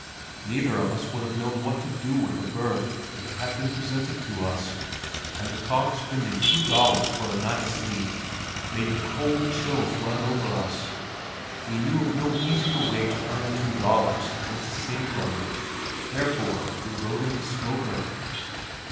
Neither of us would have known what to do with a berth if it had been presented to us, and the thought of spending two dollars for a night's sleep made the cold chills run over us. We knew of no easier way to earn two dollars than to save them, therefore we rode in the smoker.